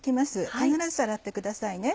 必ず洗ってくださいね。